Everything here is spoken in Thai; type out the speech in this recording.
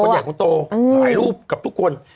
ใหญ่คนโตถ่ายรูปกับทุกคน